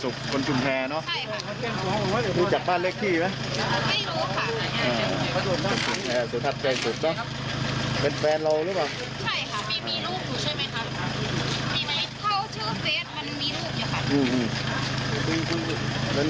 คนที่ทำเราชื่ออะไรนะ